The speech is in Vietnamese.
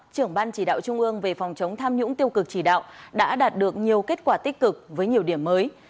trưởng ban chỉ đạo trung ương về phòng chống tham nhũng tiêu cực chỉ đạo đã đạt được nhiều kết quả tích cực với nhiều điểm mới